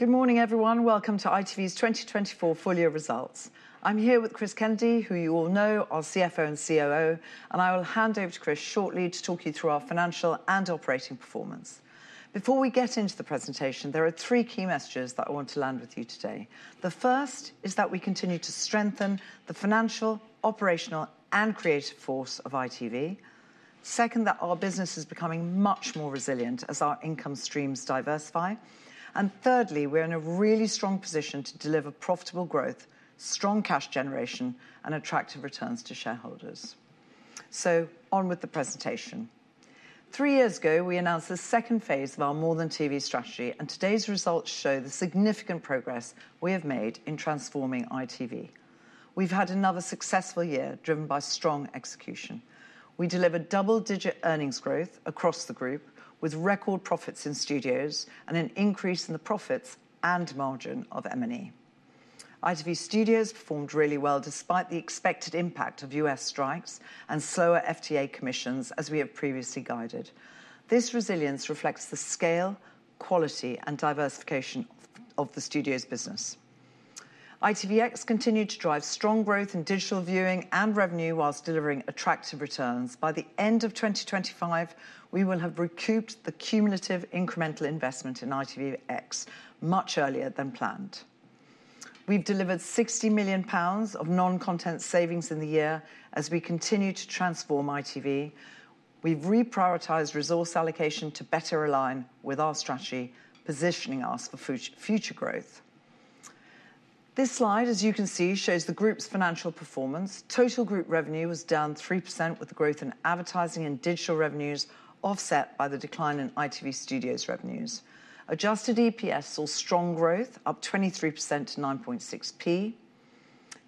Good morning, everyone. Welcome to ITV's 2024 full year results. I'm here with Chris Kennedy, who you all know, our CFO and COO, and I will hand over to Chris shortly to talk you through our financial and operating performance. Before we get into the presentation, there are three key messages that I want to land with you today. We delivered double-digit earnings growth across the group with record profits in Studios and an increase in the profits and margin of M&E. ITV Studios performed really well despite the expected impact of U.S. strikes and slower FTA commissions, as we have previously guided. This resilience reflects the scale, quality, and diversification of the Studios' business. ITVX continued to drive strong growth in digital viewing and revenue while delivering attractive returns. By the end of 2025, we will have recouped the cumulative incremental investment in ITVX much earlier than planned. We've delivered £60 million of non-content savings in the year as we continue to transform ITV. We've reprioritized resource allocation to better align with our strategy, positioning us for future growth. This slide, as you can see, shows the group's financial performance. Total group revenue was down 3%, with the growth in advertising and digital revenues offset by the decline in ITV Studios revenues. Adjusted EPS saw strong growth, up 23% to 9.6p.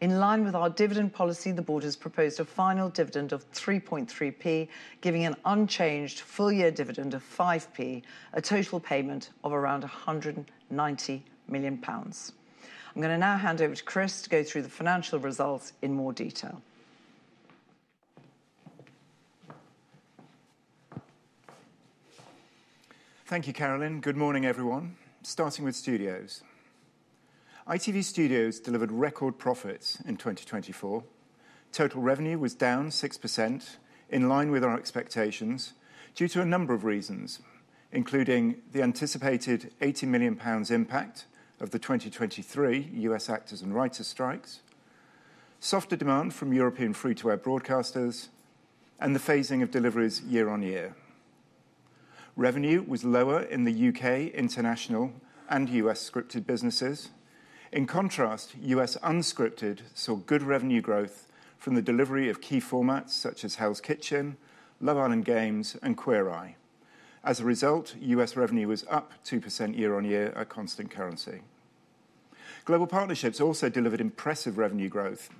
In line with our dividend policy, the Board has proposed a final dividend of 3.3p, giving an unchanged full year dividend of 5p, a total payment of around £190 million. I'm going to now hand over to Chris to go through the financial results in more detail. Thank you, Carolyn. Good morning, everyone. Starting with Studios. ITV Studios delivered record profits in 2024. Total revenue was down 6%, in line with our expectations, due to a number of reasons, including the anticipated £80 million impact of the 2023 U.S. Actors and Writers' Strikes, softer demand from European free-to-air broadcasters, and the phasing of deliveries year on year. Revenue was lower in the U.K., international, and U.S. scripted businesses. In contrast, U.S. unscripted saw good revenue growth from the delivery of key formats such as Hell's Kitchen, Love Island Games, and Queer Eye. As a result, U.S. revenue was up 2% year on year at constant currency. Global partnerships also delivered impressive revenue growth,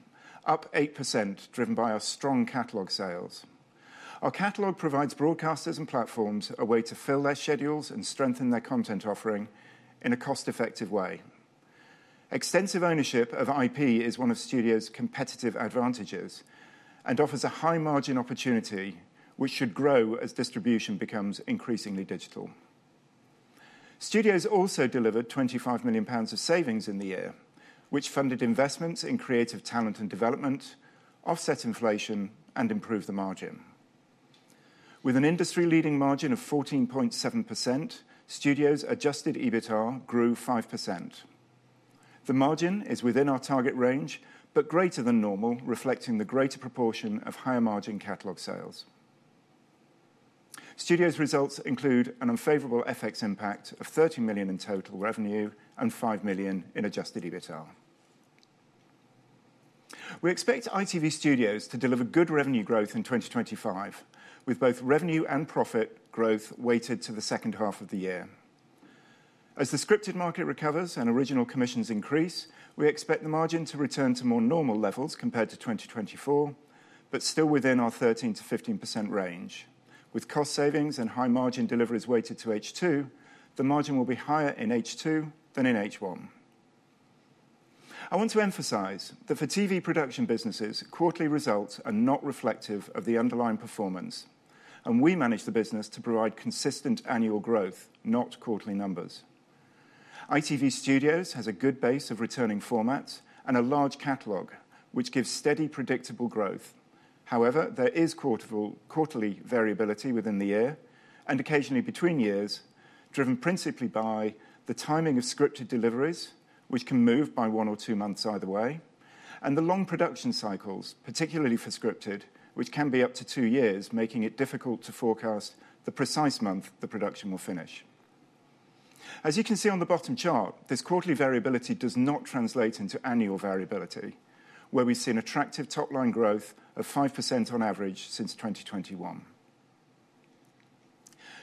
up 8%, driven by our strong catalogue sales. Our catalogue provides broadcasters and platforms a way to fill their schedules and strengthen their content offering in a cost-effective way. Extensive ownership of IP is one of Studios' competitive advantages and offers a high-margin opportunity, which should grow as distribution becomes increasingly digital. Studios also delivered £25 million of savings in the year, which funded investments in creative talent and development, offset inflation, and improved the margin. With an industry-leading margin of 14.7%, Studios' adjusted EBITA grew 5%. The margin is within our target range, but greater than normal, reflecting the greater proportion of higher-margin catalogue sales. Studios' results include an unfavorable FX impact of £30 million in total revenue and £5 million in adjusted EBITA. We expect ITV Studios to deliver good revenue growth in 2025, with both revenue and profit growth weighted to the second half of the year. As the scripted market recovers and original commissions increase, we expect the margin to return to more normal levels compared to 2024, but still within our 13%-15% range. With cost savings and high-margin deliveries weighted to H2, the margin will be higher in H2 than in H1. I want to emphasize that for TV production businesses, quarterly results are not reflective of the underlying performance, and we manage the business to provide consistent annual growth, not quarterly numbers. ITV Studios has a good base of returning formats and a large catalogue, which gives steady, predictable growth. However, there is quarterly variability within the year and occasionally between years, driven principally by the timing of scripted deliveries, which can move by one or two months either way, and the long production cycles, particularly for scripted, which can be up to two years, making it difficult to forecast the precise month the production will finish. As you can see on the bottom chart, this quarterly variability does not translate into annual variability, where we've seen attractive top-line growth of 5% on average since 2021.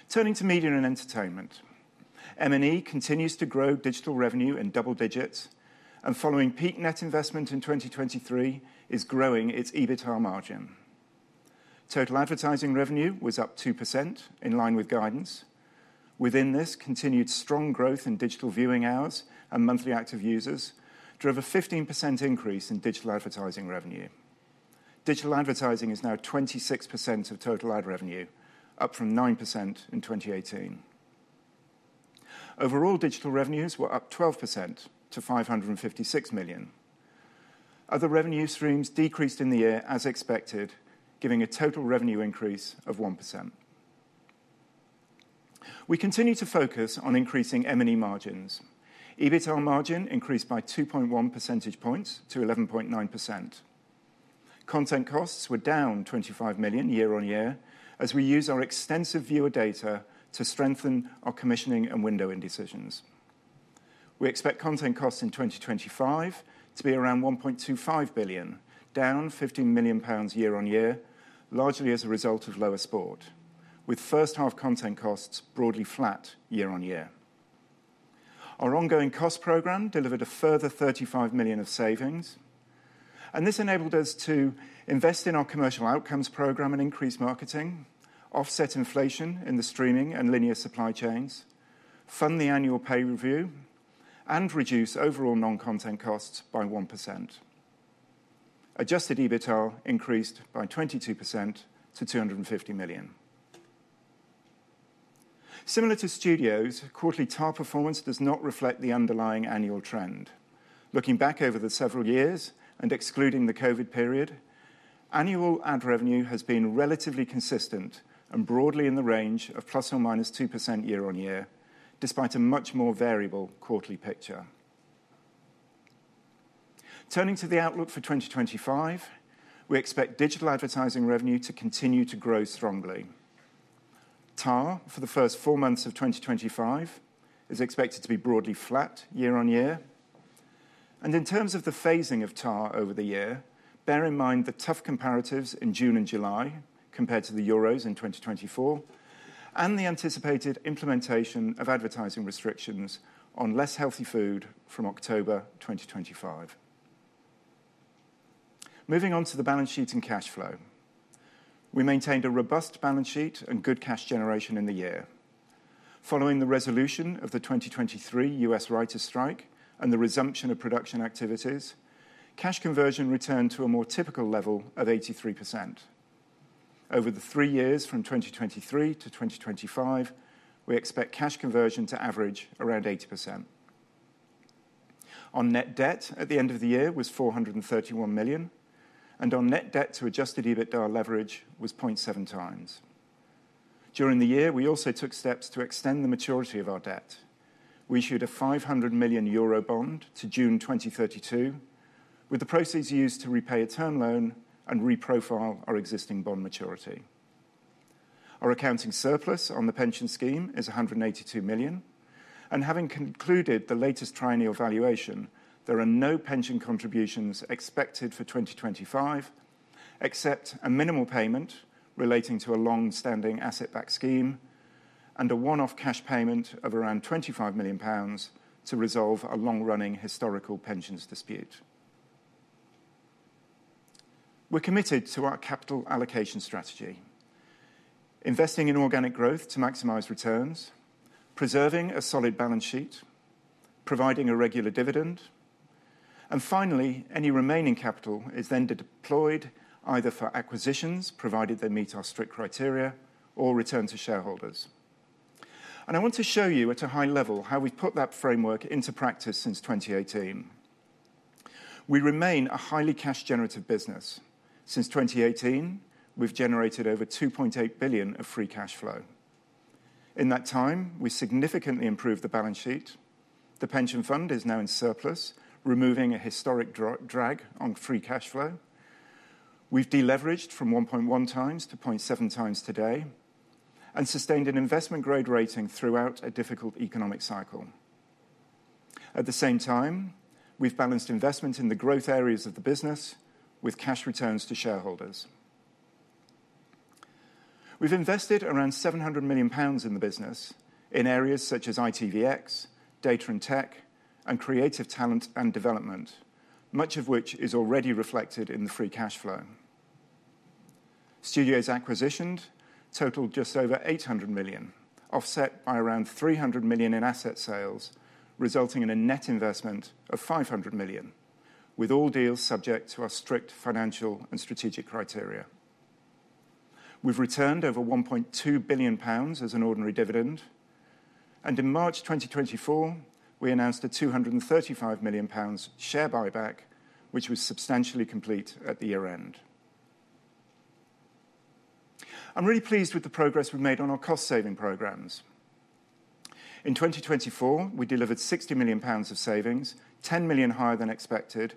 Turning to Media & Entertainment, M&E continues to grow digital revenue in double digits, and following peak net investment in 2023, is growing its EBITA margin. Total advertising revenue was up 2%, in line with guidance. Within this, continued strong growth in digital viewing hours and monthly active users drove a 15% increase in digital advertising revenue. Digital advertising is now 26% of total ad revenue, up from 9% in 2018. Overall, digital revenues were up 12% to £556 million. Other revenue streams decreased in the year, as expected, giving a total revenue increase of 1%. We continue to focus on increasing M&E margins. EBITA margin increased by 2.1 percentage points to 11.9%. Content costs were down £25 million year on year as we use our extensive viewer data to strengthen our commissioning and windowing decisions. We expect content costs in 2025 to be around £1.25 billion, down £15 million year on year, largely as a result of lower sport, with first-half content costs broadly flat year on year. Our ongoing cost programme delivered a further £35 million of savings, and this enabled us to invest in our Commercial Outcomes programme and increase marketing, offset inflation in the streaming and linear supply chains, fund the annual pay review, and reduce overall non-content costs by 1%. Adjusted EBITA increased by 22% to £250 million. Similar to Studios, quarterly TAR performance does not reflect the underlying annual trend. Looking back over the several years and excluding the COVID period, annual ad revenue has been relatively consistent and broadly in the range of plus or minus 2% year on year, despite a much more variable quarterly picture. Turning to the outlook for 2025, we expect digital advertising revenue to continue to grow strongly. TAR for the first four months of 2025 is expected to be broadly flat year on year. In terms of the phasing of TAR over the year, bear in mind the tough comparatives in June and July compared to the Euros in 2024, and the anticipated implementation of advertising restrictions on less healthy food from October 2025. Moving on to the balance sheet and cash flow. We maintained a robust balance sheet and good cash generation in the year. Following the resolution of the 2023 U.S. writers' strike and the resumption of production activities, cash conversion returned to a more typical level of 83%. Over the three years from 2023 to 2025, we expect cash conversion to average around 80%. Net debt at the end of the year was £431 million, and net debt to adjusted EBITDA leverage was 0.7 times. During the year, we also took steps to extend the maturity of our debt. We issued a €500 million bond to June 2032, with the proceeds used to repay a term loan and reprofile our existing bond maturity. Our accounting surplus on the pension scheme is £182 million, and having concluded the latest triennial valuation, there are no pension contributions expected for 2025, except a minimal payment relating to a long-standing asset-backed scheme and a one-off cash payment of around £25 million to resolve a long-running historical pensions dispute. We're committed to our capital allocation strategy, investing in organic growth to maximize returns, preserving a solid balance sheet, providing a regular dividend, and finally, any remaining capital is then deployed either for acquisitions, provided they meet our strict criteria, or return to shareholders, and I want to show you at a high level how we've put that framework into practice since 2018. We remain a highly cash-generative business. Since 2018, we've generated over £2.8 billion of free cash flow. In that time, we significantly improved the balance sheet. The pension fund is now in surplus., removing a historic drag on free cash flow. We've deleveraged from 1.1 times to 0.7 times today and susained an investment-grade rating throughout a difficult economic cycle. At the same time, we've balanced investment in the growth areas of the business with cash returns to shareholders. We've invested around £700 million in the business in areas such as ITVX, data and tech, and creative talent and development, much of which is already reflected in the free cash flow. Studios acquisitions totaled just over £800 million, offset by around £300 million in asset sales, resulting in a net investment of £500 million, with all deals subject to our strict financial and strategic criteria. We've returned over £1.2 billion as an ordinary dividend, and in March 2024, we announced a £235 million share buyback, which was substantially complete at the year-end. I'm really pleased with the progress we've made on our cost-saving programmes. In 2024, we delivered £60 million of savings, £10 million higher than expected.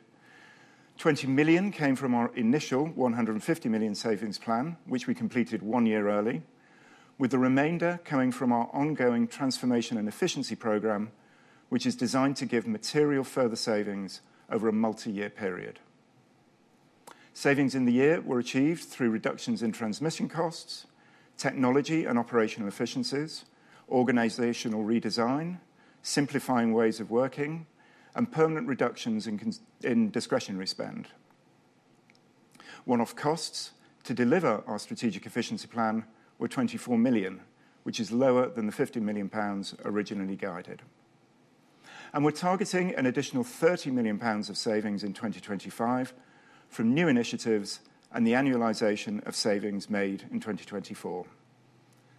£20 million came from our initial £150 million savings plan, which we completed one year early, with the remainder coming from our ongoing transformation and efficiency programme, which is designed to give material further savings over a multi-year period. Savings in the year were achieved through reductions in transmission costs, technology and operational efficiencies, organizational redesign, simplifying ways of working, and permanent reductions in discretionary spend. One-off costs to deliver our strategic efficiency plan were £24 million, which is lower than the £50 million originally guided. We're targeting an additional £30 million of savings in 2025 from new initiatives and the annualization of savings made in 2024.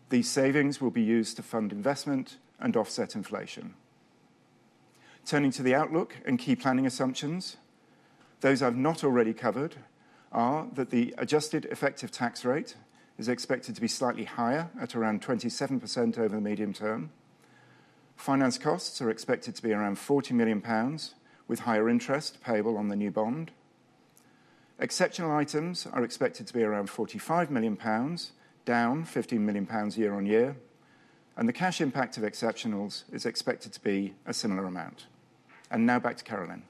These savings will be used to fund investment and offset inflation. Turning to the outlook and key planning assumptions, those I've not already covered are that the adjusted Effective Tax Rate is expected to be slightly higher at around 27% over the medium term. Finance costs are expected to be around £40 million, with higher interest payable on the new bond. Exceptional items are expected to be around £45 million, down £15 million year on year, and the cash impact of exceptionals is expected to be a similar amount. Now back to Carolyn.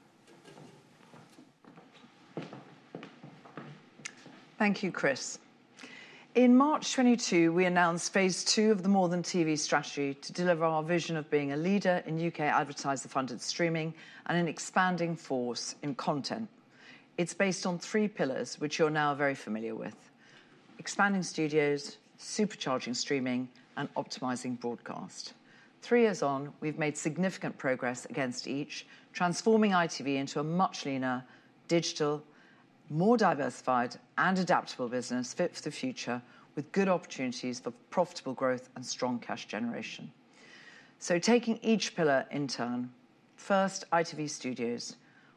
Thank you, Chris. In March 2022, we announced Phase Two of the More Than TV strategy to deliver our vision of being a leader in U.K. advertiser-funded streaming and an expanding force in content. It's based on three pillars, which you're now very familiar with: expanding Studios, supercharging streaming, and optimizing broadcast. Three years on, we've made significant progress against each, transforming ITV into a much leaner, digital, more diversified, and adaptable business fit for the future, with good opportunities for profitable growth and strong cash generation. So taking each pillar in turn, first, ITV Studios.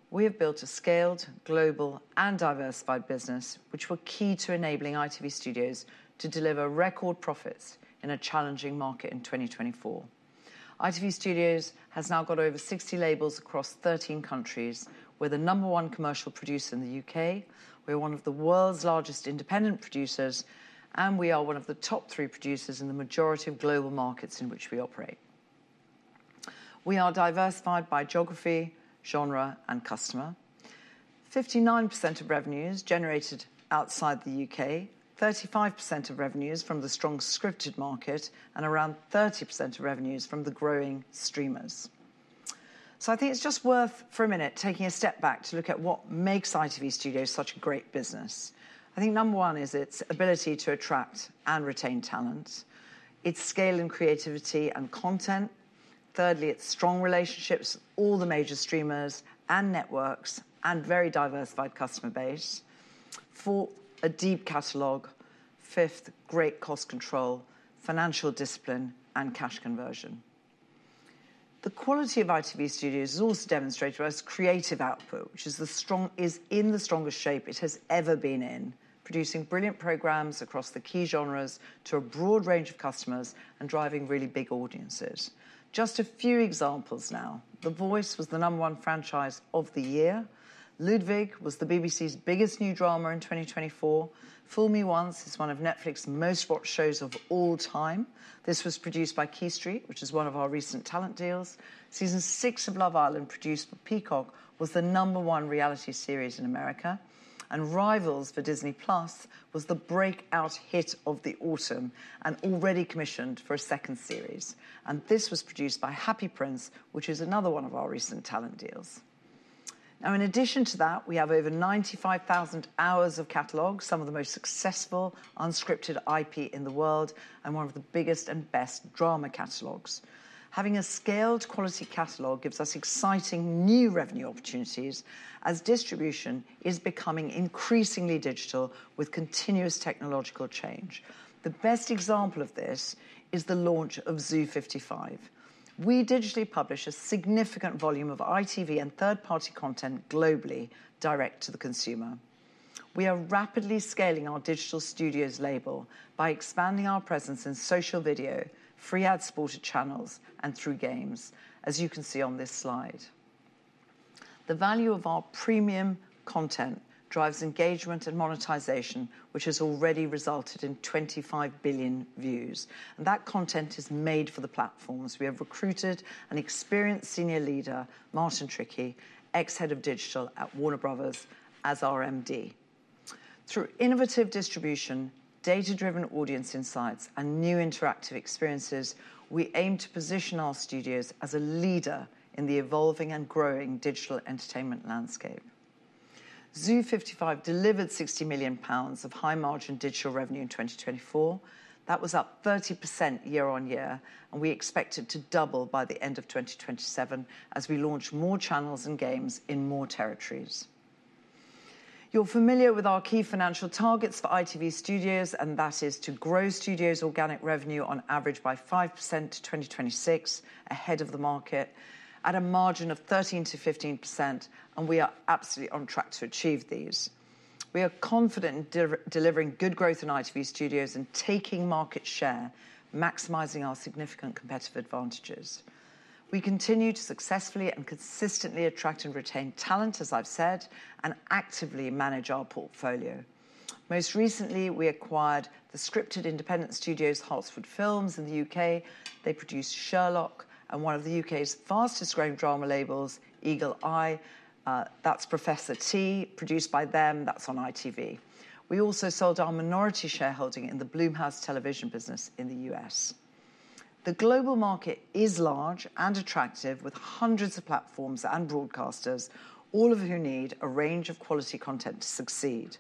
We have built a scaled, global, and diversified business, which were key to enabling ITV Studios to deliver record profits in a challenging market in 2024. ITV Studios has now got over 60 labels across 13 countries. We're the number one commercial producer in the U.K.. We're one of the world's largest independent producers, and we are one of the top three producers in the majority of global markets in which we operate. We are diversified by geography, genre, and customer. 59% of revenues generated outside the U.K., 35% of revenues from the strong scripted market, and around 30% of revenues from the growing streamers. So I think it's just worth, for a minute, taking a step back to look at what makes ITV Studios such a great business. I think number one is its ability to attract and retain talent, its scale and creativity and content. Thirdly, its strong relationships with all the major streamers and networks and very diversified customer base for a deep catalogue. Fifth, great cost control, financial discipline, and cash conversion. The quality of ITV Studios has also demonstrated its creative output, which is in the strongest shape it has ever been in, producing brilliant programmes across the key genres to a broad range of customers and driving really big audiences. Just a few examples now. The Voice was the number one franchise of the year. Ludwig was the BBC's biggest new drama in 2024. Fool Me Once is one of Netflix's most-watched shows of all time. This was produced by Quay Street, which is one of our recent talent deals. Season Six of Love Island, produced by Peacock, was the number one reality series in America, and Rivals for Disney+ was the breakout hit of the autumn and already commissioned for a second series, and this was produced by Happy Prince, which is another one of our recent talent deals. Now, in addition to that, we have over 95,000 hours of catalogue, some of the most successful unscripted IP in the world and one of the biggest and best drama catalogues. Having a scaled quality catalogue gives us exciting new revenue opportunities as distribution is becoming increasingly digital with continuous technological change. The best example of this is the launch of Zoo 55. We digitally publish a significant volume of ITV and third-party content globally direct to the consumer. We are rapidly scaling our digital studios label by expanding our presence in social video, free ad-supported channels, and through games, as you can see on this slide. The value of our premium content drives engagement and monetization, which has already resulted in 25 billion views. And that content is made for the platforms. We have recruited an experienced senior leader, Martin Trickey, ex-head of digital at Warner Bros., as our MD. Through innovative distribution, data-driven audience insights, and new interactive experiences, we aim to position our Studios as a leader in the evolving and growing digital entertainment landscape. Zoo 55 delivered £60 million of high-margin digital revenue in 2024. That was up 30% year on year, and we expect it to double by the end of 2027 as we launch more channels and games in more territories. You're familiar with our key financial targets for ITV Studios, and that is to grow Studios' organic revenue on average by 5% to 2026, ahead of the market, at a margin of 13%-15%, and we are absolutely on track to achieve these. We are confident in delivering good growth in ITV Studios and taking market share, maximizing our significant competitive advantages. We continue to successfully and consistently attract and retain talent, as I've said, and actively manage our portfolio. Most recently, we acquired the scripted Independent Studios Hartswood Films in the U.K. They produce Sherlock and one of the U.K.'s fastest-growing drama labels, Eagle Eye. That's Professor T, produced by them. That's on ITV. We also sold our minority shareholding in the Blumhouse Television business in the U.S. The global market is large and attractive, with hundreds of platforms and broadcasters, all of whom need a range of quality content to succeed.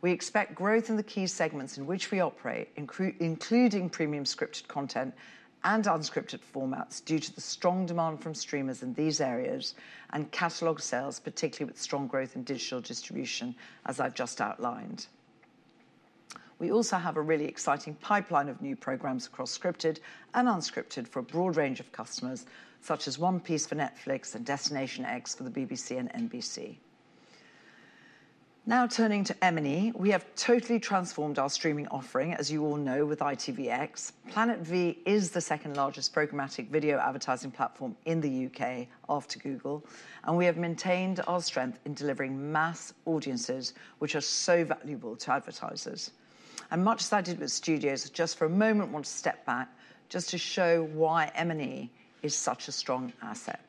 We expect growth in the key segments in which we operate, including premium scripted content and unscripted formats due to the strong demand from streamers in these areas and catalogue sales, particularly with strong growth in digital distribution, as I've just outlined. We also have a really exciting pipeline of new programmes across scripted and unscripted for a broad range of customers, such as One Piece for Netflix and Destination X for the BBC and NBC. Now turning to M&E, we have totally transformed our streaming offering, as you all know, with ITVX. Planet V is the second largest programmatic video advertising platform in the U.K. after Google, and we have maintained our strength in delivering mass audiences, which are so valuable to advertisers. And much as I did with Studios, I just for a moment want to step back just to show why M&E is such a strong asset.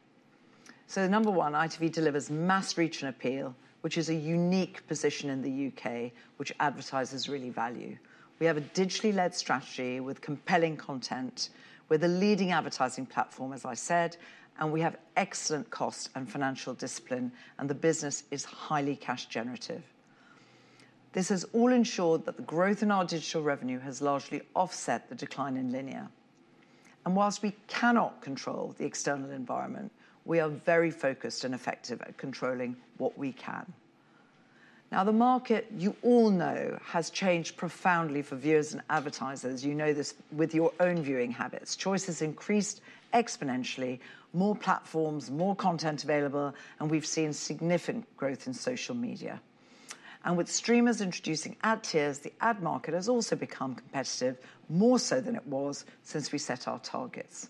So number one, ITV delivers mass reach and appeal, which is a unique position in the U.K., which advertisers really value. We have a digitally-led strategy with compelling content. We're the leading advertising platform, as I said, and we have excellent cost and financial discipline, and the business is highly cash-generative. This has all ensured that the growth in our digital revenue has largely offset the decline in linear. And while we cannot control the external environment, we are very focused and effective at controlling what we can. Now, the market, you all know, has changed profoundly for viewers and advertisers. You know this with your own viewing habits. Choices increased exponentially, more platforms, more content available, and we've seen significant growth in social media, and with streamers introducing ad tiers, the ad market has also become competitive more so than it was since we set our targets.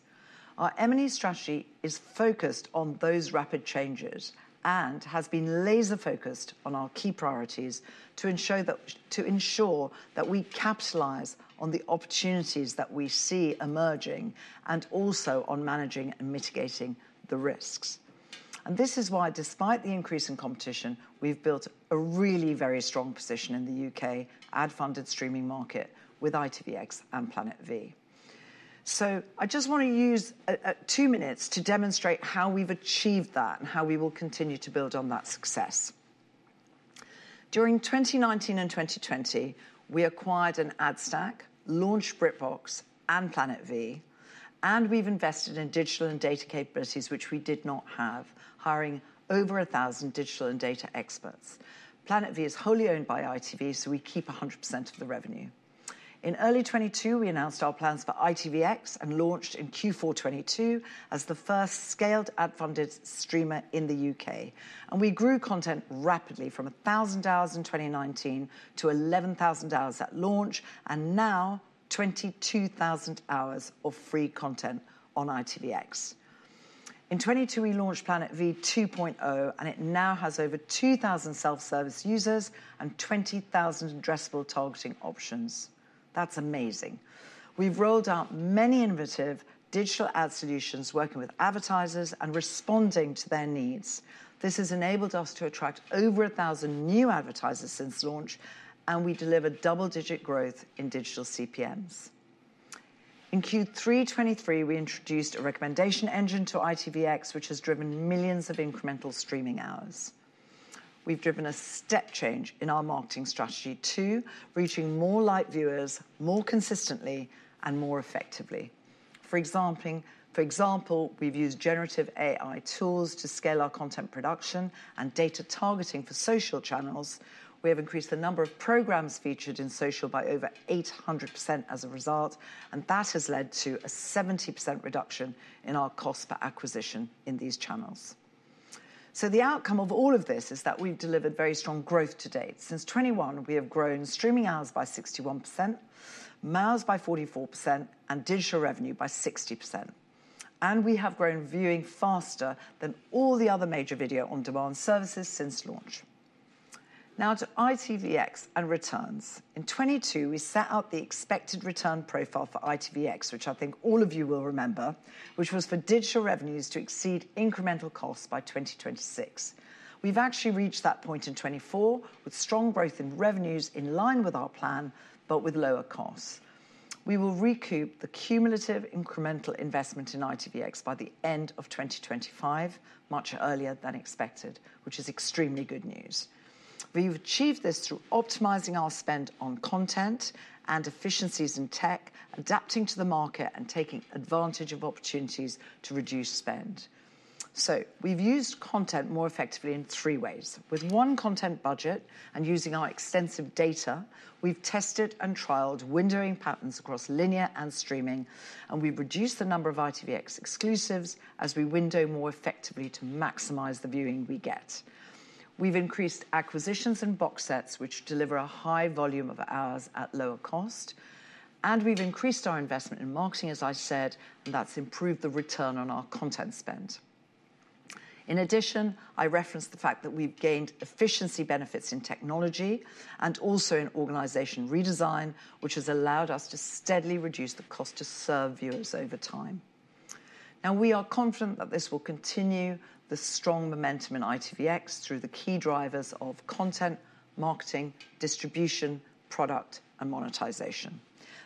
Our M&E strategy is focused on those rapid changes and has been laser-focused on our key priorities to ensure that we capitalize on the opportunities that we see emerging and also on managing and mitigating the risks, and this is why, despite the increase in competition, we've built a really very strong position in the U.K. ad-funded streaming market with ITVX and Planet V, so I just want to use two minutes to demonstrate how we've achieved that and how we will continue to build on that success. During 2019 and 2020, we acquired an ad stack, launched BritBox, and Planet V, and we've invested in digital and data capabilities, which we did not have, hiring over 1,000 digital and data experts. Planet V is wholly owned by ITV, so we keep 100% of the revenue. In early 2022, we announced our plans for ITVX and launched in Q4 2022 as the first scaled ad-funded streamer in the U.K., and we grew content rapidly from 1,000 hours in 2019 to 11,000 hours at launch and now 22,000 hours of free content on ITVX. In 2022, we launched Planet V 2.0, and it now has over 2,000 self-service users and 20,000 addressable targeting options. That's amazing. We've rolled out many innovative digital ad solutions, working with advertisers and responding to their needs. This has enabled us to attract over 1,000 new advertisers since launch, and we deliver double-digit growth in digital CPMs. In Q3 2023, we introduced a recommendation engine to ITVX, which has driven millions of incremental streaming hours. We've driven a step change in our marketing strategy too, reaching more live viewers more consistently and more effectively. For example, we've used generative AI tools to scale our content production and data targeting for social channels. We have increased the number of programmes featured in social by over 800% as a result, and that has led to a 70% reduction in our cost for acquisition in these channels. So the outcome of all of this is that we've delivered very strong growth to date. Since 2021, we have grown streaming hours by 61%, MAUs by 44%, and digital revenue by 60%. We have grown viewing faster than all the other major video on-demand services since launch. Now to ITVX and returns. In 2022, we set out the expected return profile for ITVX, which I think all of you will remember, which was for digital revenues to exceed incremental costs by 2026. We've actually reached that point in 2024 with strong growth in revenues in line with our plan, but with lower costs. We will recoup the cumulative incremental investment in ITVX by the end of 2025, much earlier than expected, which is extremely good news. We've achieved this through optimizing our spend on content and efficiencies in tech, adapting to the market, and taking advantage of opportunities to reduce spend. We've used content more effectively in three ways. With one content budget and using our extensive data, we've tested and trialed windowing patterns across linear and streaming, and we've reduced the number of ITVX exclusives as we window more effectively to maximize the viewing we get. We've increased acquisitions and box sets, which deliver a high volume of hours at lower cost, and we've increased our investment in marketing, as I said, and that's improved the return on our content spend. In addition, I referenced the fact that we've gained efficiency benefits in technology and also in organization redesign, which has allowed us to steadily reduce the cost to serve viewers over time. Now, we are confident that this will continue the strong momentum in ITVX through the key drivers of content, marketing, distribution, product, and monetization.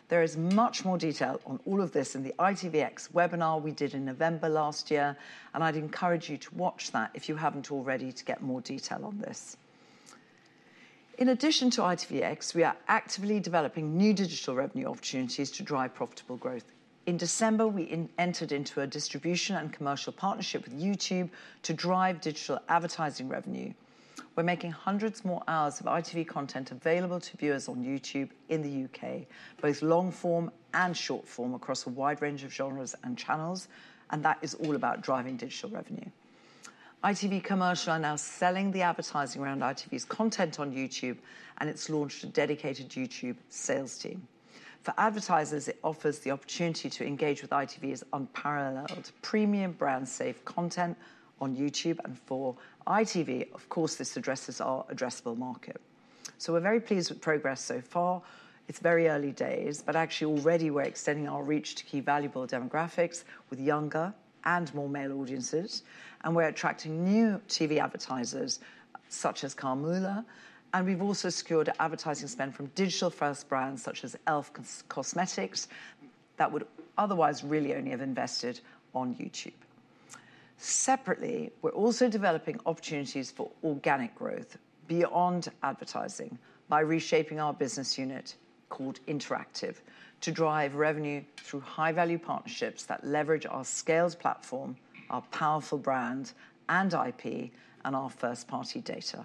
There is much more detail on all of this in the ITVX webinar we did in November last year, and I'd encourage you to watch that if you haven't already to get more detail on this. In addition to ITVX, we are actively developing new digital revenue opportunities to drive profitable growth. In December, we entered into a distribution and commercial partnership with YouTube to drive digital advertising revenue. We're making hundreds more hours of ITV content available to viewers on YouTube in the U.K., both long-form and short-form, across a wide range of genres and channels, and that is all about driving digital revenue. ITV Commercial are now selling the advertising around ITV's content on YouTube, and it's launched a dedicated YouTube sales team. For advertisers, it offers the opportunity to engage with ITV's unparalleled premium brand-safe content on YouTube, and for ITV, of course, this addresses our addressable market. So we're very pleased with progress so far. It's very early days, but actually already we're extending our reach to key valuable demographics with younger and more male audiences, and we're attracting new TV advertisers such as Carmoola, and we've also secured advertising spend from digital-first brands such as e.l.f. Cosmetics that would otherwise really only have invested on YouTube. Separately, we're also developing opportunities for organic growth beyond advertising by reshaping our business unit called Interactive to drive revenue through high-value partnerships that leverage our scaled platform, our powerful brand, and IP and our first-party data.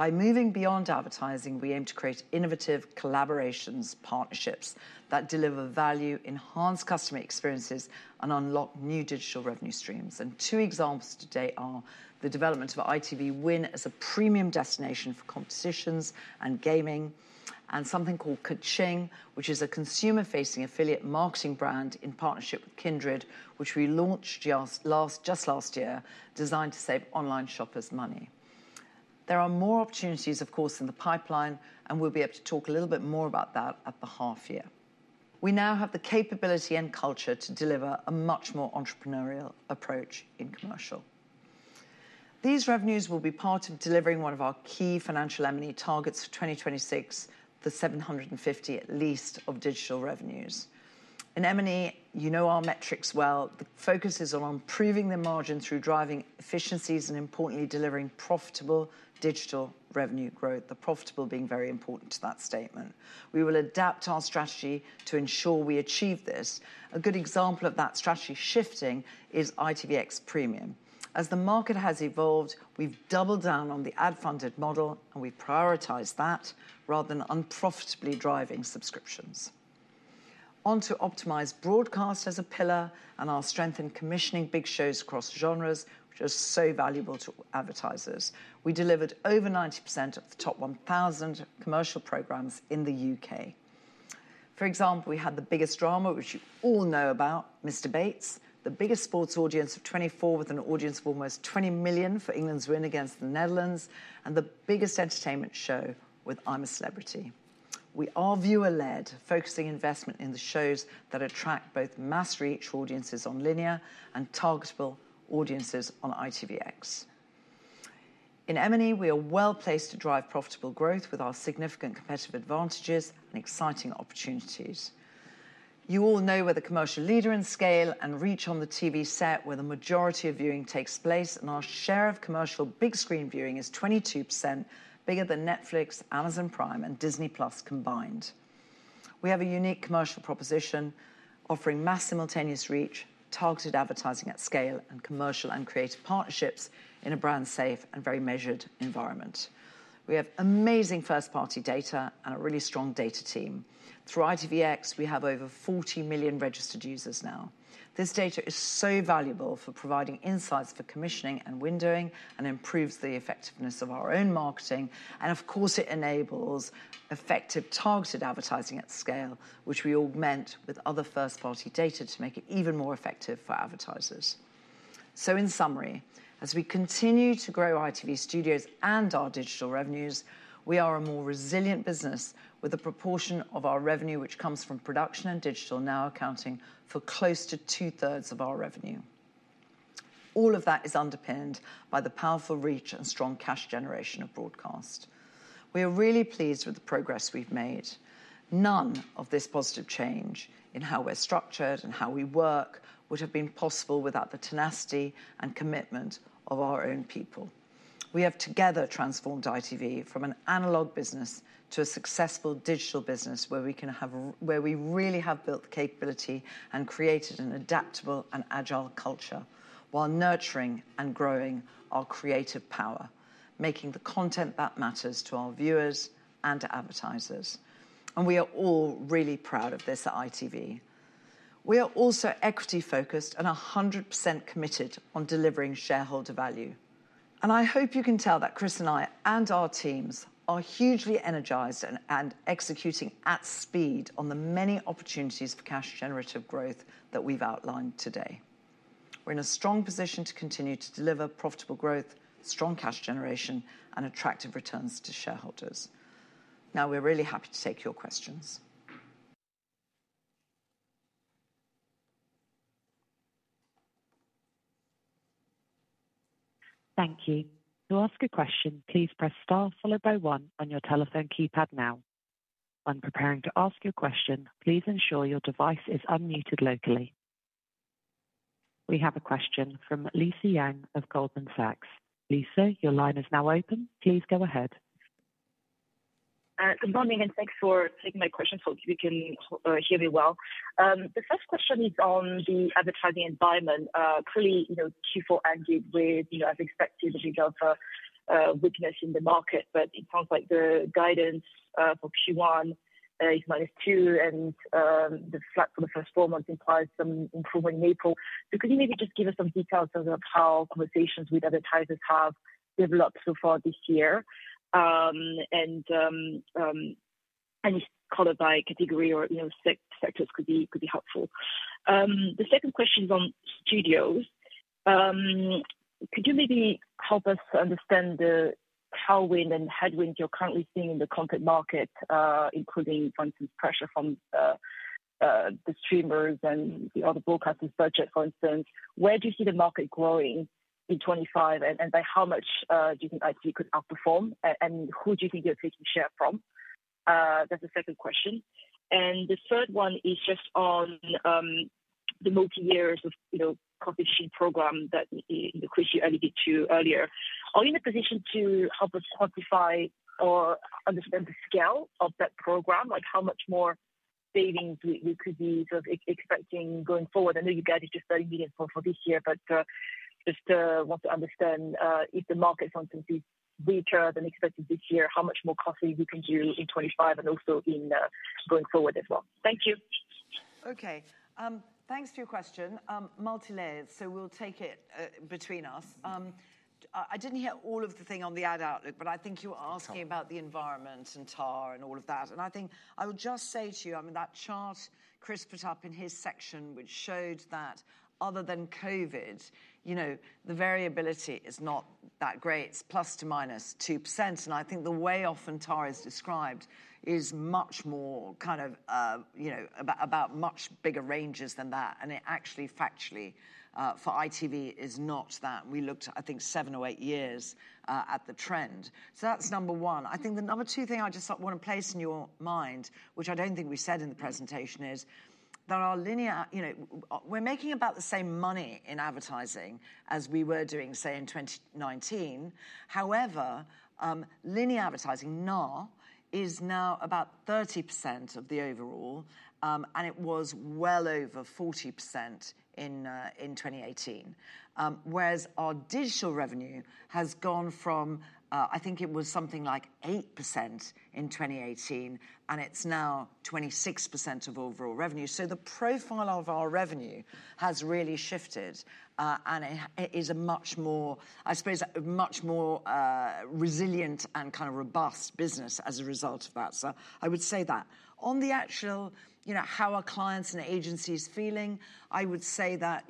By moving beyond advertising, we aim to create innovative collaborations, partnerships that deliver value, enhance customer experiences, and unlock new digital revenue streams. Two examples today are the development of ITV Win as a premium destination for competitions and gaming, and something called Kaching, which is a consumer-facing affiliate marketing brand in partnership with Kindred, which we launched just last year, designed to save online shoppers money. There are more opportunities, of course, in the pipeline, and we'll be able to talk a little bit more about that at the half year. We now have the capability and culture to deliver a much more entrepreneurial approach in commercial. These revenues will be part of delivering one of our key financial M&E targets for 2026, the 750 at least of digital revenues. In M&E, you know our metrics well. Thefocus is on improving the margin through driving efficiencies and, importantly, delivering profitable digital revenue growth, the profitable being very important to that statement. We will adapt our strategy to ensure we achieve this. A good example of that strategy shifting is ITVX Premium. As the market has evolved, we've doubled down on the ad-funded model, and we've prioritized that rather than unprofitably driving subscriptions. One to optimize broadcast as a pillar and our strength in commissioning big shows across genres, which are so valuable to advertisers. We delivered over 90% of the top 1,000 commercial programmes in the U.K. For example, we had the biggest drama, which you all know about, Mr Bates. The biggest sports audience of 2024 with an audience of almost 20 million for England's win against the Netherlands. And the biggest entertainment show with I'm a Celebrity. We are viewer-led, focusing investment in the shows that attract both mass reach audiences on linear and targetable audiences on ITVX. In M&E, we are well placed to drive profitable growth with our significant competitive advantages and exciting opportunities. You all know we're the commercial leader in scale and reach on the TV set, where the majority of viewing takes place, and our share of commercial big screen viewing is 22%, bigger than Netflix, Amazon Prime, and Disney+ combined. We have a unique commercial proposition offering mass simultaneous reach, targeted advertising at scale, and commercial and creative partnerships in a brand-safe and very measured environment. We have amazing first-party data and a really strong data team. Through ITVX, we have over 40 million registered users now. This data is so valuable for providing insights for commissioning and windowing and improves the effectiveness of our own marketing, and of course, it enables effective targeted advertising at scale, which we augment with other first-party data to make it even more effective for advertisers. So in summary, as we continue to grow ITV Studios and our digital revenues, we are a more resilient business with a proportion of our revenue, which comes from production and digital, now accounting for close to two-thirds of our revenue. All of that is underpinned by the powerful reach and strong cash generation of broadcast. We are really pleased with the progress we've made. None of this positive change in how we're structured and how we work would have been possible without the tenacity and commitment of our own people. We have together transformed ITV from an analog business to a successful digital business where we really have built the capability and created an adaptable and agile culture while nurturing and growing our creative power, making the content that matters to our viewers and advertisers, and we are all really proud of this at ITV. We are also equity-focused and 100% committed on delivering shareholder value. And I hope you can tell that Chris and I and our teams are hugely energized and executing at speed on the many opportunities for cash generative growth that we've outlined today. We're in a strong position to continue to deliver profitable growth, strong cash generation, and attractive returns to shareholders. Now we're really happy to take your questions. Thank you. To ask a question, please press star followed by one on your telephone keypad now. When preparing to ask your question, please ensure your device is unmuted locally. We have a question from Lisa Yang of Goldman Sachs. Lisa, your line is now open. Please go ahead. Good morning and thanks for taking my question. Hope you can hear me well. The first question is on the advertising environment. Clearly, Q4 ended with, as expected, a bit of a weakness in the market, but it sounds like the guidance for Q1 is minus two, and the flat for the first four months implies some improvement in April. So could you maybe just give us some details of how conversations with advertisers have developed so far this year? And any color by category or sectors could be helpful. The second question is on Studios. Could you maybe help us understand the tailwind and headwind you're currently seeing in the content market, including, for instance, pressure from the streamers and the other broadcasters' budget, for instance? Where do you see the market growing in 2025, and by how much do you think ITV could outperform, and who do you think they're taking share from? That's the second question. And the third one is just on the multi-years of profit-sharing programme that Chris, you alluded to earlier. Are you in a position to help us quantify or understand the scale of that programme? How much more savings we could be sort of expecting going forward? I know you guys are just starting meetings for this year, but just want to understand if the market, for instance, is weaker than expected this year, how much more costly we can do in 2025 and also going forward as well? Thank you. Okay. Thanks for your question. Multilayered, so we'll take it between us. I didn't hear all of the thing on the ad outlook, but I think you were asking about the environment and TAR and all of that. And I think I will just say to you, I mean, that chart Chris put up in his section, which showed that other than COVID, the variability is not that great. It's plus to minus 2%. And I think the way often TAR is described is much more kind of about much bigger ranges than that. And it actually, factually, for ITV is not that. We looked, I think, seven or eight years at the trend. So that's number one. I think the number two thing I just want to place in your mind, which I don't think we said in the presentation, is that our linear, we're making about the same money in advertising as we were doing, say, in 2019. However, linear advertising now is about 30% of the overall, and it was well over 40% in 2018. Whereas our digital revenue has gone from, I think it was something like 8% in 2018, and it's now 26% of overall revenue. So the profile of our revenue has really shifted, and it is a much more, I suppose, a much more resilient and kind of rob business as a result of that. So I would say that. On the actual how our clients and agencies are feeling, I would say that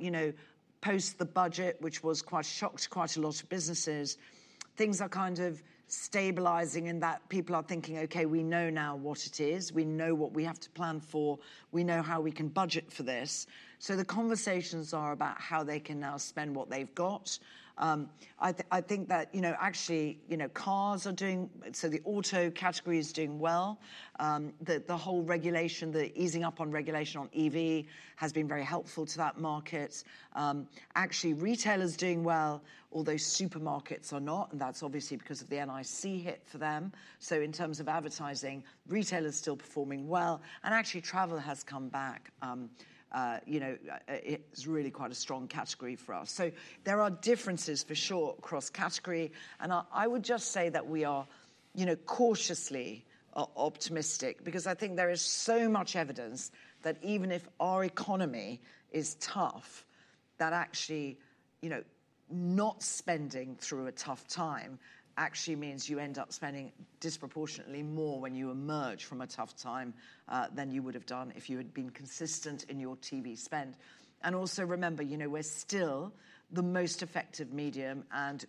post the budget, which was quite a shock to quite a lot of businesses, things are kind of stabilizing in that people are thinking, "Okay, we know now what it is. We know what we have to plan for. We know how we can budget for this," so the conversations are about how they can now spend what they've got. I think that actually cars are doing, so the auto category is doing well. The whole regulation, the easing up on regulation on EV has been very helpful to that market. Actually, retail is doing well, although supermarkets are not, and that's obviously because of the NIC hit for them, so in terms of advertising, retail is still performing well, and actually, travel has come back. It's really quite a strong category for us. So there are differences for sure across category. And I would just say that we are cautiously optimistic because I think there is so much evidence that even if our economy is tough, that actually not spending through a tough time actually means you end up spending disproportionately more when you emerge from a tough time than you would have done if you had been consistent in your TV spend. And also remember, we're still the most effective medium, and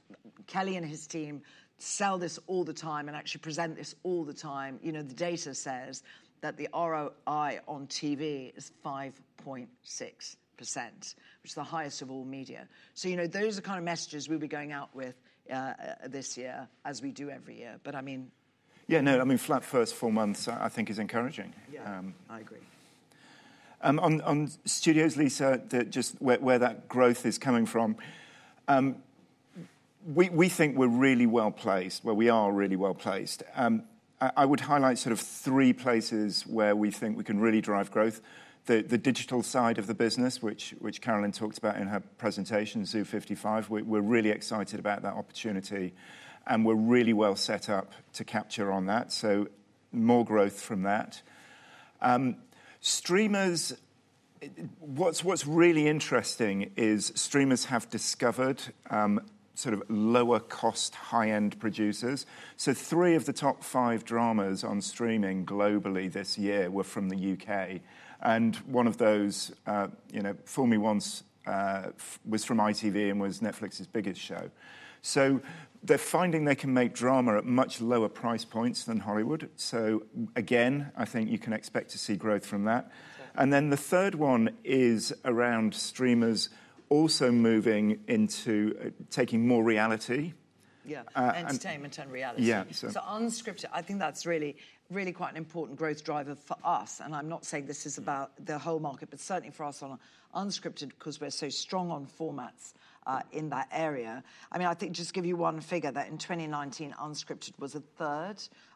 Kelly and his team sell this all the time and actually present this all the time. The data says that the ROI on TV is 5.6%, which is the highest of all media. So those are the kind of messages we'll be going out with this year as we do every year. But I mean. Yeah, no, I mean, flat first four months I think is encouraging. Yeah, I agree. On Studios, Lisa, just where that growth is coming from, we think we're really well placed, where we are really well placed. I would highlight sort of three places where we think we can really drive growth. The digital side of the business, which Carolyn talked about in her presentation, Zoo 55, we're really excited about that opportunity, and we're really well set up to capture on that. So more growth from that. Streamers, what's really interesting is streamers have discovered sort of lower-cost, high-end producers. So three of the top five dramas on streaming globally this year were from the U.K. And one of those, Fool Me Once, was from ITV and was Netflix's biggest show. So they're finding they can make drama at much lower price points than Hollywood. So again, I think you can expect to see growth from that. And then the third one is around streamers also moving into taking more reality. Yeah, entertainment and reality. Yeah. So unscripted, I think that's really, really quite an important growth driver for us. And I'm not saying this is about the whole market, but certainly for us on unscripted because we're so strong on formats in that area. I mean, I think just give you one figure that in 2019, unscripted was a third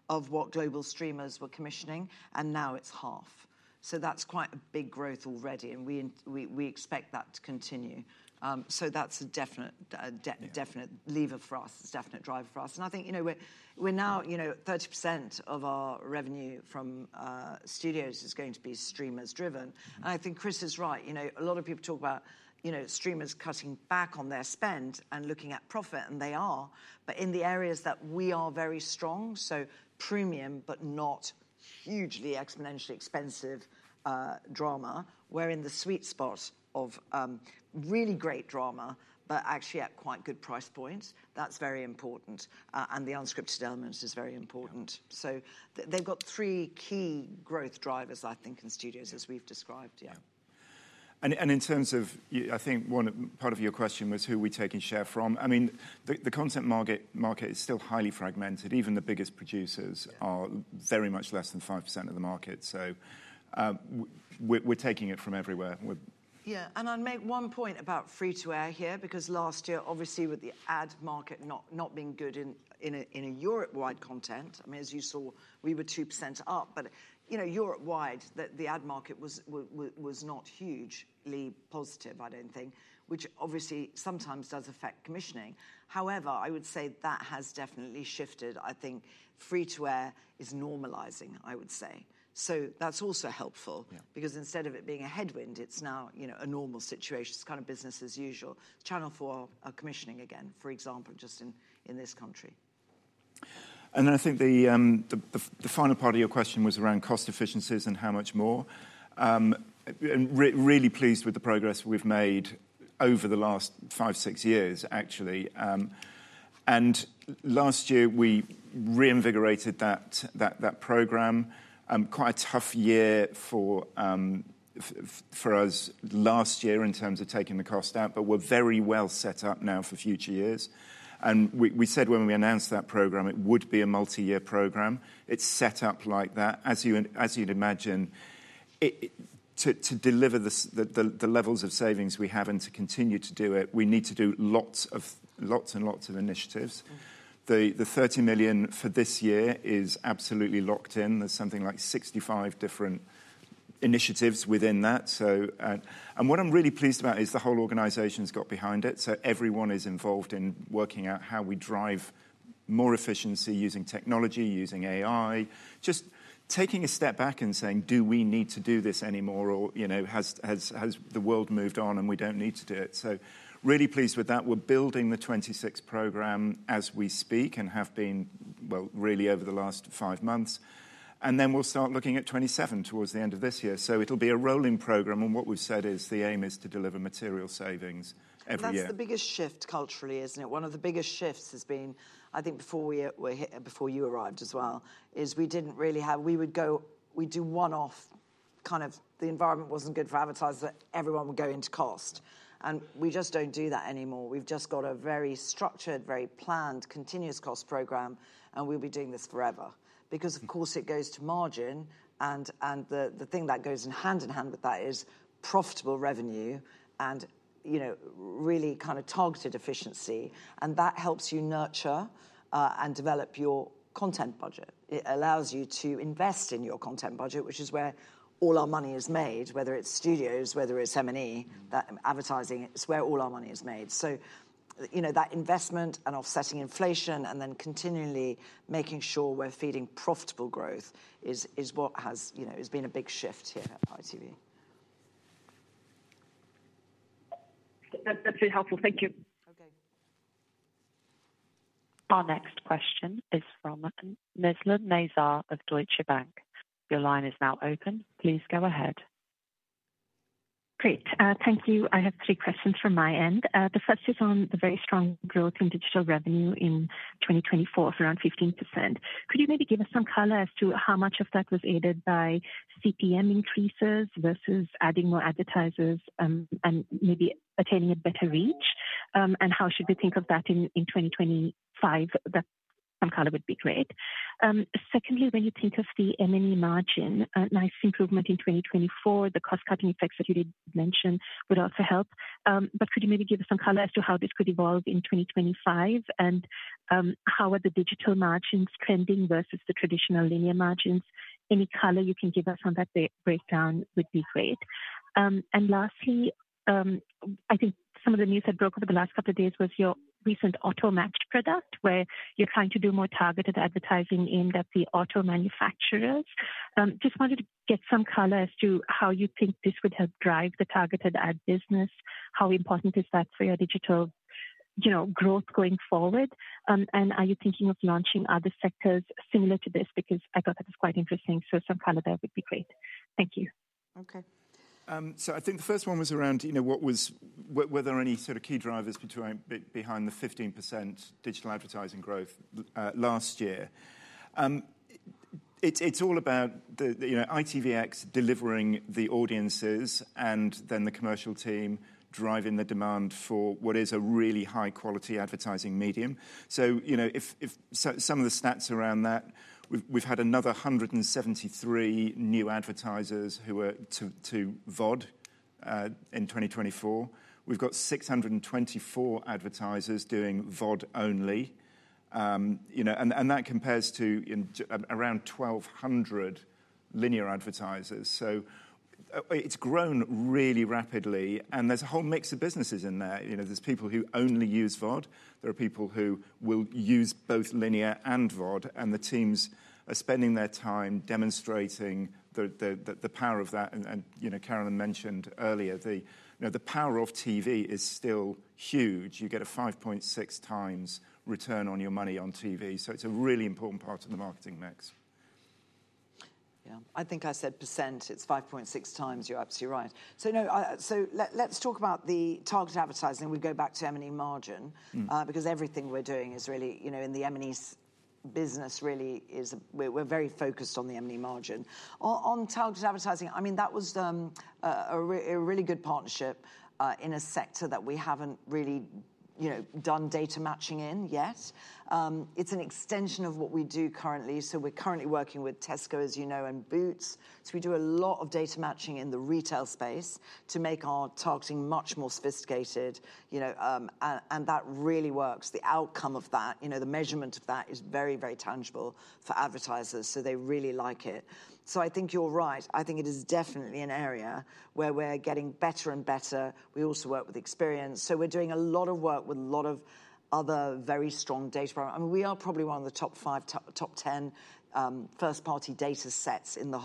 of what global streamers were commissioning, and now it's half. So that's quite a big growth already, and we expect that to continue. So that's a definite lever for us, a definite driver for us. And I think we're now 30% of our revenue from Studios is going to be streamers-driven. And I think Chris is right. A lot of people talk about streamers cutting back on their spend and looking at profit, and they are, but in the areas that we are very strong, so premium but not hugely exponentially expensive drama, we're in the sweet spot of really great drama but actually at quite good price points. That's very important, and the unscripted element is very important. So they've got three key growth drivers, I think, in Studios as we've described. Yeah. In terms of, I think one part of your question was who we're taking share from. I mean, the content market is still highly fragmented. Even the biggest producers are very much less than 5% of the market. We're taking it from everywhere. Yeah. And I'll make one point about free-to-air here because last year, obviously with the ad market not being good in a Europe-wide context, I mean, as you saw, we were 2% up, but Europe-wide, the ad market was not hugely positive, I don't think, which obviously sometimes does affect commissioning. However, I would say that has definitely shifted. I think free-to-air is normalizing, I would say. So that's also helpful because instead of it being a headwind, it's now a normal situation. It's kind of business as usual. Channel 4 commissioning again, for example, just in this country. I think the final part of your question was around cost efficiencies and how much more. Really pleased with the progress we've made over the last five, six years, actually. Last year, we reinvigorated that programme. Quite a tough year for us last year in terms of taking the cost out, but we're very well set up now for future years. We said when we announced that programme, it would be a multi-year programme. It's set up like that. As you'd imagine, to deliver the levels of savings we have and to continue to do it, we need to do lots and lots of initiatives. The 30 million for this year is absolutely locked in. There's something like 65 different initiatives within that. What I'm really pleased about is the whole organization's got behind it. So everyone is involved in working out how we drive more efficiency using technology, using AI, just taking a step back and saying, "Do we need to do this anymore? Or has the world moved on and we don't need to do it?" So really pleased with that. We're building the 2026 programme as we speak and have been, well, really over the last five months. And then we'll start looking at 2027 towards the end of this year. So it'll be a rolling programme. And what we've said is the aim is to deliver material savings every year. That's the biggest shift culturally, isn't it? One of the biggest shifts has been, I think before you arrived as well, is we didn't really have. We'd do one-off, kind of, the environment wasn't good for advertisers. Everyone would go into cost. And we just don't do that anymore. We've just got a very structured, very planned continuous cost programme, and we'll be doing this forever. Because, of course, it goes to margin. And the thing that goes hand in hand with that is profitable revenue and really kind of targeted efficiency. And that helps you nurture and develop your content budget. It allows you to invest in your content budget, which is where all our money is made, whether it's Studios, whether it's M&E, advertising. It's where all our money is made. So that investment and offsetting inflation and then continually making sure we're feeding profitable growth is what has been a big shift here at ITV. That's really helpful. Thank you. Okay. Our next question is from Nizla Naizer of Deutsche Bank. Your line is now open. Please go ahead. Great. Thank you. I have three questions from my end. The first is on the very strong growth in digital revenue in 2024 of around 15%. Could you maybe give us some color as to how much of that was aided by CPM increases versus adding more advertisers and maybe attaining a better reach? And how should we think of that in 2025? That some color would be great. Secondly, when you think of the M&E margin, a nice improvement in 2024, the cost-cutting effects that you did mention would also help. But could you maybe give us some color as to how this could evolve in 2025? And how are the digital margins trending versus the traditional linear margins? Any color you can give us on that breakdown would be great. Lastly, I think some of the news that broke over the last couple of days was your recent auto-matched product where you're trying to do more targeted advertising aimed at the auto manufacturers. Just wanted to get some color as to how you think this would help drive the targeted ad business. How important is that for your digital growth going forward? Are you thinking of launching other sectors similar to this? Because I thought that was quite interesting. Some color there would be great. Thank you. Okay. So I think the first one was around were there any sort of key drivers behind the 15% digital advertising growth last year? It's all about ITVX delivering the audiences and then the commercial team driving the demand for what is a really high-quality advertising medium. So some of the stats around that, we've had another 173 new advertisers who were new to VOD in 2024. We've got 624 advertisers doing VOD only. And that compares to around 1,200 linear advertisers. So it's grown really rapidly. And there's a whole mix of businesses in there. There's people who only use VOD. There are people who will use both linear and VOD. And the teams are spending their time demonstrating the power of that. And Carolyn mentioned earlier, the power of TV is still huge. You get a 5.6 times return on your money on TV. So it's a really important part of the marketing mix. Yeah. I think I said percent. It's 5.6 times. You're absolutely right. So let's talk about the targeted advertising. We go back to M&E margin because everything we're doing is really in the M&E business. Really, we're very focused on the M&E margin. On targeted advertising, I mean, that was a really good partnership in a sector that we haven't really done data matching in yet. It's an extension of what we do currently. So we're currently working with Tesco, as you know, and Boots. So we do a lot of data matching in the retail space to make our targeting much more sophisticated. And that really works. The outcome of that, the measurement of that is very, very tangible for advertisers. So they really like it. So I think you're right. I think it is definitely an area where we're getting better and better. We also work with Experian. So we're doing a lot of work with a lot of other very strong data programmes. I mean, we are probably one of the top five, top ten first-party data sets in the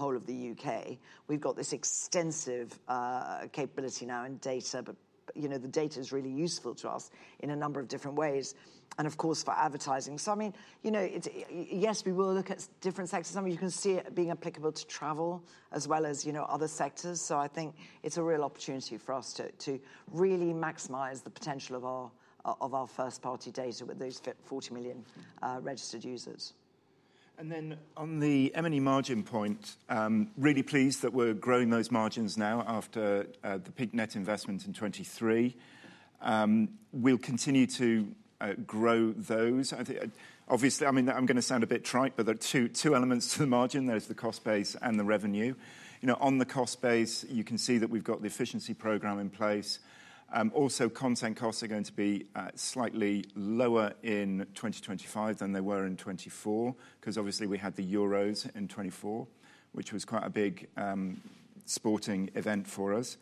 whole of the U.K. We've got this extensive capability now in data, but the data is really useful to us in a number of different ways, and of course, for advertising. So I mean, yes, we will look at different sectors. I mean, you can see it being applicable to travel as well as other sectors. So I think it's a real opportunity for us to really maximize the potential of our first-party data with those 40 million registered users. And then on the M&E margin point, really pleased that we're growing those margins now after the peak net investment in 2023. We'll continue to grow those. Obviously I mean, I'm going to sound a bit trite, but there are two elements to the margin. There's the cost base and the revenue. On the cost base, you can see that we've got the efficiency programme in place. Also, content costs are going to be slightly lower in 2025 than they were in 2024 because obviously we had the Euros in 2024, which was quite a big sporting event for us.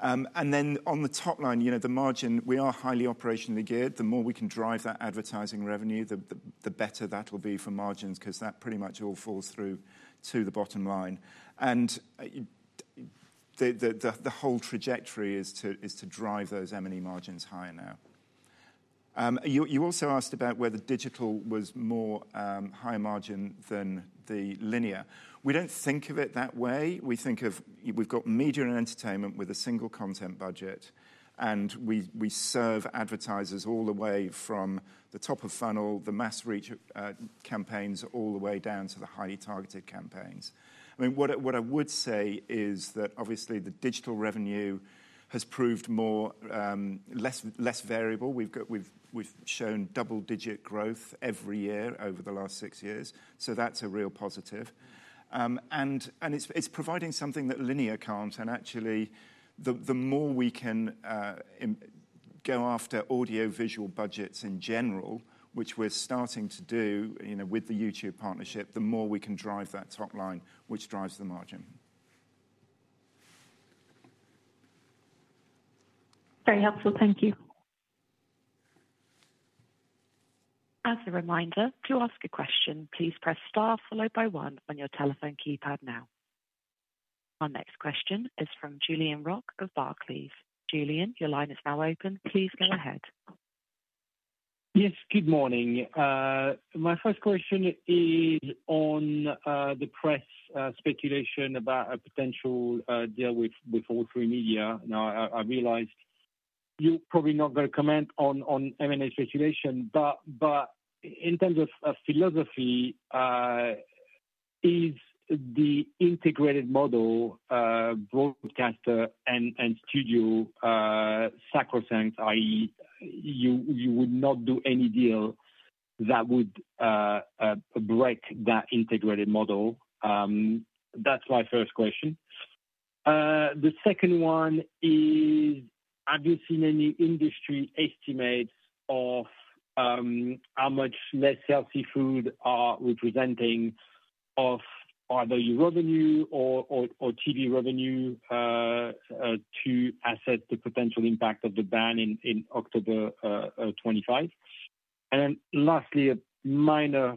And then on the top line, the margin, we are highly operationally geared. The more we can drive that advertising revenue, the better that will be for margins because that pretty much all falls through to the bottom line. The whole trajectory is to drive those M&E margins higher now. You also asked about whether digital was more high margin than the linear. We don't think of it that way. We think of we've got Media & Entertainment with a single content budget, and we serve advertisers all the way from the top of funnel, the mass reach campaigns, all the way down to the highly targeted campaigns. I mean, what I would say is that obviously the digital revenue has proved less variable. We've shown double-digit growth every year over the last six years. So that's a real positive. And it's providing something that linear can't. And actually, the more we can go after audiovisual budgets in general, which we're starting to do with the YouTube partnership, the more we can drive that top line, which drives the margin. Very helpful. Thank you. As a reminder, to ask a question, please press star followed by one on your telephone keypad now. Our next question is from Julien Roch of Barclays. Julien, your line is now open. Please go ahead. Yes. Good morning. My first question is on the press speculation about a potential deal with All3Media. Now, I realized you're probably not going to comment on M&A speculation, but in terms of philosophy, is the integrated model, broadcaster and Studio sacrosanct, i.e., you would not do any deal that would break that integrated model? That's my first question. The second one is, have you seen any industry estimates of how much less healthy food are representing of either your revenue or TV revenue to assess the potential impact of the ban in October 2025? And then lastly, a minor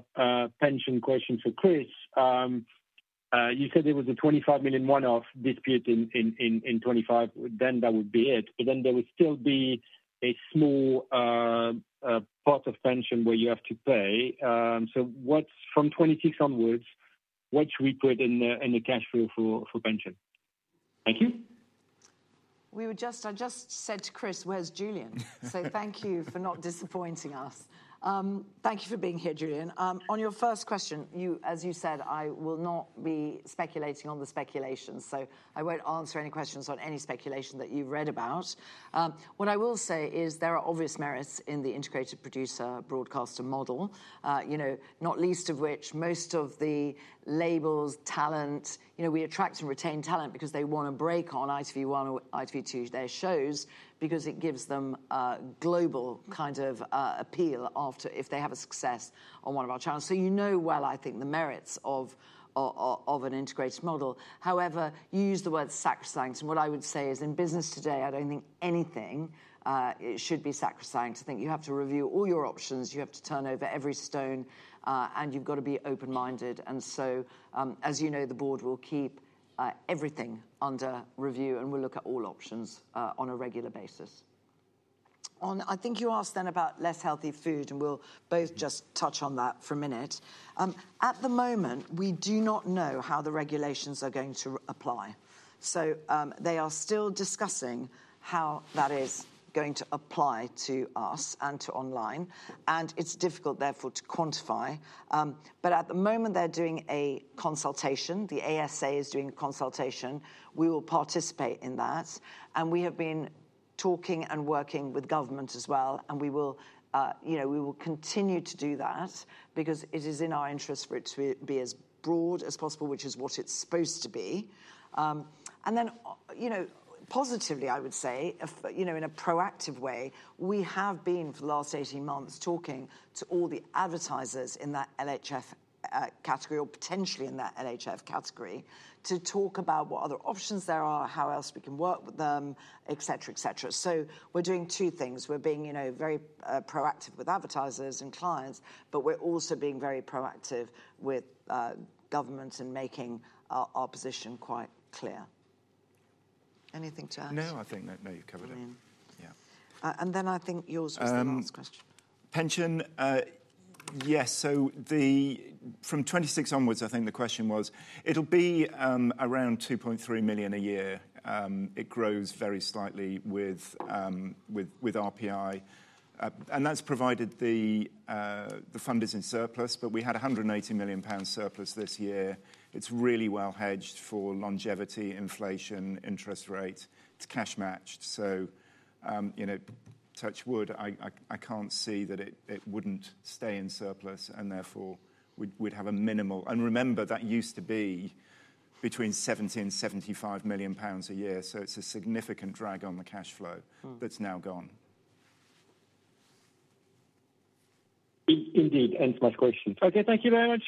pension question for Chris. You said there was a 25 million one-off dispute in 2025. Then that would be it. But then there would still be a small pot of pension where you have to pay. So from 2026 onwards, what should we put in the cash flow for pension? Thank you. I just said to Chris, "Where's Julien?" So thank you for not disappointing us. Thank you for being here, Julien. On your first question, as you said, I will not be speculating on the speculation. So I won't answer any questions on any speculation that you've read about. What I will say is there are obvious merits in the Integrated Producer Broadcaster model, not least of which most of the labels, talent, we attract and retain talent because they want to break on ITV1 or ITV2 their shows because it gives them a global kind of appeal if they have a success on one of our channels. So you know well, I think, the merits of an integrated model. However, you used the word sacrosanct, and what I would say is in business today, I don't think anything should be sacrosanct. I think you have to review all your options. You have to turn over every stone, and you've got to be open-minded. And so, as you know, the Board will keep everything under review, and we'll look at all options on a regular basis. I think you asked then about less healthy food, and we'll both just touch on that for a minute. At the moment, we do not know how the regulations are going to apply. So they are still discussing how that is going to apply to us and to online. And it's difficult, therefore, to quantify. But at the moment, they're doing a consultation. The ASA is doing a consultation. We will participate in that. And we have been talking and working with government as well. And we will continue to do that because it is in our interest for it to be as broad as possible, which is what it's supposed to be. And then positively, I would say, in a proactive way, we have been for the last 18 months talking to all the advertisers in that LHF category or potentially in that LHF category to talk about what other options there are, how else we can work with them, etc., etc. So we're doing two things. We're being very proactive with advertisers and clients, but we're also being very proactive with government and making our position quite clear. Anything to add? No, I think no, you've covered it. And then I think yours was the last question. Pension, yes. So from 2026 onwards, I think the question was it'll be around £2.3 million a year. It grows very slightly with RPI. And that's provided the fund is in surplus, but we had £180 million surplus this year. It's really well hedged for longevity, inflation, interest rate. It's cash matched. So touch wood, I can't see that it wouldn't stay in surplus and therefore would have a minimal. And remember, that used to be between £70 million and £75 million a year. So it's a significant drag on the cash flow that's now gone. Indeed. Ends my question. Okay. Thank you very much.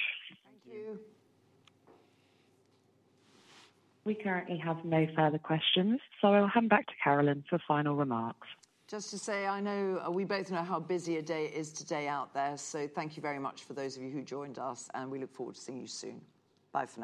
Thank you. We currently have no further questions, so I'll hand back to Carolyn for final remarks. Just to say, I know we both know how busy a day it is today out there. So thank you very much for those of you who joined us, and we look forward to seeing you soon. Bye for now.